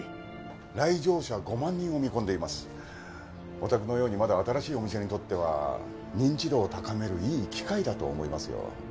お宅のようにまだ新しいお店にとっては認知度を高めるいい機会だと思いますよ。